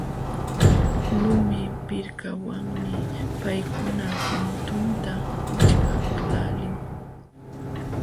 Lumi pirkawanmi paykuna puntunta wićhqaqlaalin.